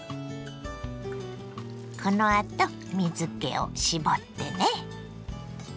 このあと水けを絞ってね。